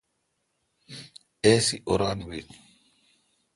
اے سی اوران بیل۔